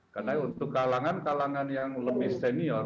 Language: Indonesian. karena untuk kalangan kalangan yang lebih senior